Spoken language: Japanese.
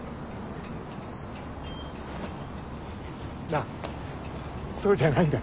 なあそうじゃないんだ。